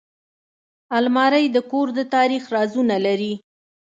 الماري د کور د تاریخ رازونه لري